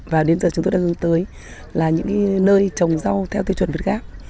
và đến giờ chúng tôi đang hướng tới là những nơi trồng rau theo tiêu chuẩn việt gáp